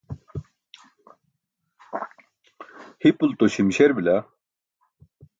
hipulto śimśer bila